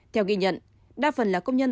theo ghi nhận đa phần là công nhân